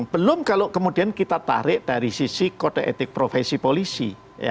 belum kalau kemudian kita tarik dari sisi kode etik profesi polisi